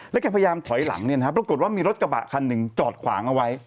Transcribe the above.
แกพยายามถอยหลังเนี่ยนะครับปรากฏว่ามีรถกระบะคันหนึ่งจอดขวางเอาไว้